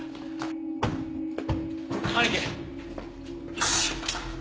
よし。